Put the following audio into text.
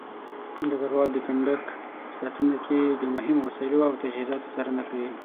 ډګروال د کندک په ساتنه کې د مهمو وسایلو او تجهيزاتو څارنه کوي.